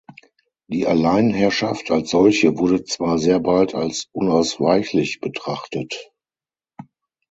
Die Alleinherrschaft als solche wurde zwar sehr bald als unausweichlich betrachtet.